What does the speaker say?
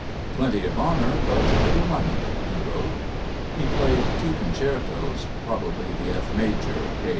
"Plenty of honor, but little money," he wrote. He played two concertos (probably the F major, K.